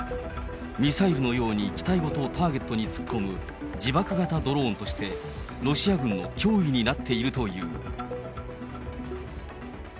ミサイルのように、機体ごとターゲットに突っ込む、自爆型ドローンとしてロシア軍の脅威になっているという。